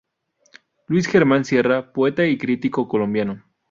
Luis Germán Sierra, poeta y crítico colombiano.